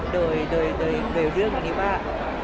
โดยเรื่องณี้ว่า